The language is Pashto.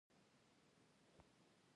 دا خلک د ژوند په اوږدو کې محروم وو.